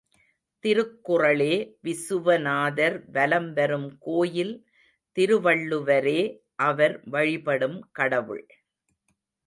திருக்குறளே விசுவநாதர் வலம் வரும் கோயில் திருவள்ளுவரே அவர் வழிபடும் கடவுள்.